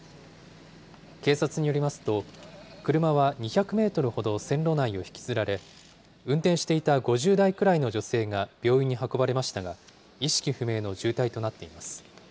警察によりますと、車は２００メートルほど線路内を引きずられ、運転していた５０代くらいの女性が病院に運ばれましたが意識不明の重体となっています。